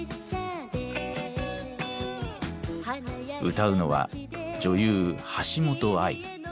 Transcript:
歌うのは女優橋本愛。